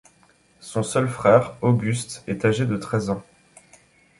Son seul frère, August, est âgé de treize ans.